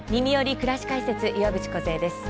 くらし解説」岩渕梢です。